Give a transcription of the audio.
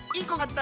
「た」